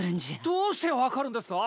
どうして分かるんですか？